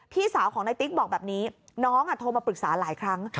พี่สาวของนายติ๊กบอกแบบนี้น้องโทรมาปรึกษาหลายครั้ง